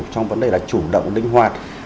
trong vấn đề là chủ động linh hoạt